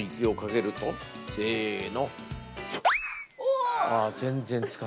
せの。